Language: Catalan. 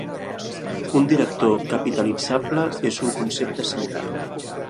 Un director capitalitzable és un concepte similar.